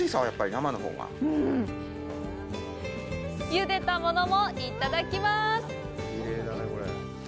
ゆでたものも、いただきます！